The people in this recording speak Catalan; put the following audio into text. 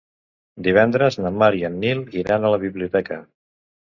Divendres na Mar i en Nil iran a la biblioteca.